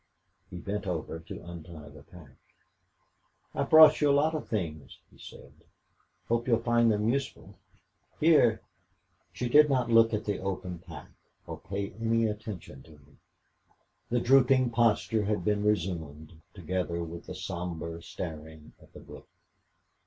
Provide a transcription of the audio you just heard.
He bent over to untie the pack. "I've brought you a lot of things," he said. "Hope you'll find them useful. Here " She did not look at the open pack or pay any attention to him. The drooping posture had been resumed, together with the somber staring at the brook.